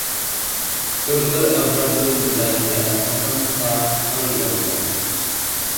Təryər avəlato dzəɗa nde asakaŋ ta awiya wiga.